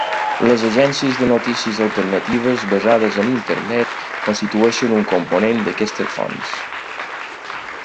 Les agències de notícies alternatives basades en Internet constitueixen un component d'aquestes fonts.